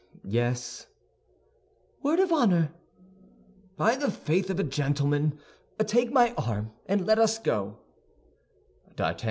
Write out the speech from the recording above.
"Yes." "Word of honor?" "By the faith of a gentleman. Take my arm, and let us go."